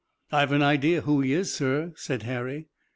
"I've an idea who he is, sir," said Harry.